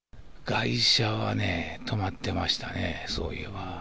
会社はね、止まってましたね、そういえば。